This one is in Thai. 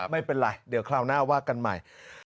ไม่เป็นไรเดี๋ยวคราวหน้าว่ากันใหม่